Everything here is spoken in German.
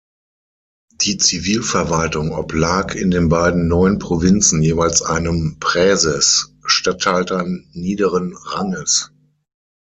Die Zivilverwaltung oblag in den beiden neuen Provinzen jeweils einem "Praeses", Statthaltern niederen Ranges.